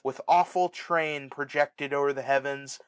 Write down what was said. With awfid train projected o'er the heavens.